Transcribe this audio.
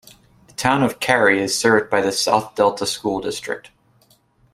The town of Cary is served by the South Delta School District.